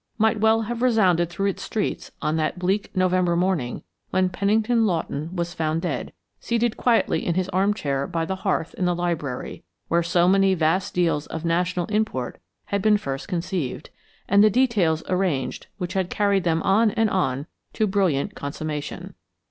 might well have resounded through its streets on that bleak November morning when Pennington Lawton was found dead, seated quietly in his arm chair by the hearth in the library, where so many vast deals of national import had been first conceived, and the details arranged which had carried them on and on to brilliant consummation.